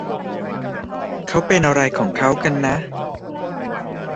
เขาเป็นอะไรของเขากันนะ